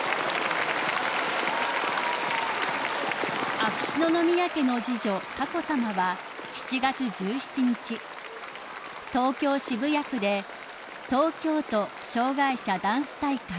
［秋篠宮家の次女佳子さまは７月１７日東京渋谷区で東京都障害者ダンス大会